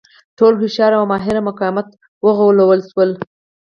ټول هوښیار او ماهر مقامات وغولول شول.